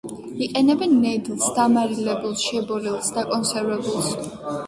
იყენებენ ნედლს, დამარილებულს, შებოლილს, დაკონსერვებულს.